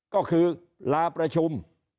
ก็คือลาประชุม